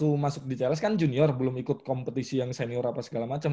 waktu masuk di cls kan junior belum ikut kompetisi yang senior apa segala macam